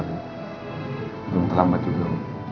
belum terlambat juga